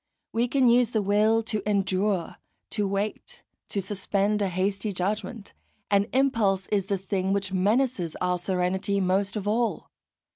We can use the will to endure, to wait, to suspend a hasty judgment; and impulse is the thing which menaces our serenity most of all.